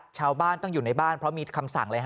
ชาวบ้านต้องอยู่ในบ้านเพราะมีคำสั่งเลยฮะ